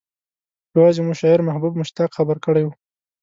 يوازې مو شاعر محبوب مشتاق خبر کړی و.